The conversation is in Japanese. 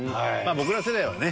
僕ら世代はね